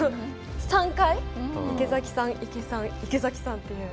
３回、池崎さん、池さん池崎さんって。